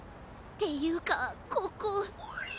っていうかここ。